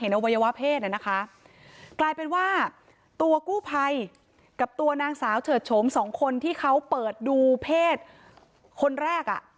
อวัยวะเพศน่ะนะคะกลายเป็นว่าตัวกู้ภัยกับตัวนางสาวเฉิดโฉมสองคนที่เขาเปิดดูเพศคนแรกอ่ะ